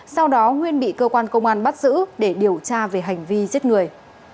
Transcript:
sau đó nguyên bị cơ quan công an bắt giữ để điều tra về hành vi giết người